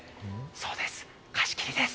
そうです、貸し切りです。